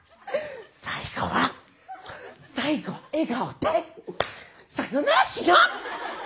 最後は最後は笑顔でさよならしよう！